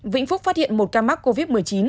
vĩnh phúc phát hiện một ca mắc covid một mươi chín